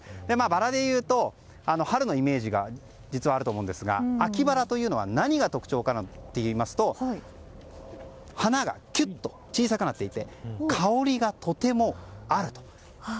バラでいうと春のイメージがあると思うんですが秋バラは何が特徴かというと花がキュッと小さくなっていて香りがとてもあると。